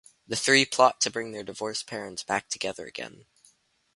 The three plot to bring their divorced parents back together again.